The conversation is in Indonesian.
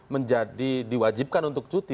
menjadi diwajibkan untuk cuti